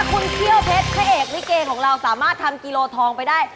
คุณเขี้ยวเพชรพระเอกลิเกของเราสามารถทำกิโลทองไปได้